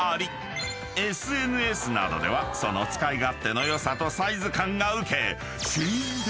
［ＳＮＳなどではその使い勝手の良さとサイズ感が受け］